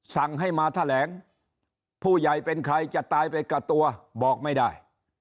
สั่งให้มาแถลงผู้ใหญ่เป็นใครจะตายไปกับตัวบอกไม่ได้